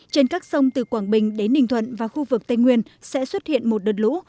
trên các sông từ quảng bình đến ninh thuận và khu vực tây nguyên sẽ xuất hiện một đợt lũ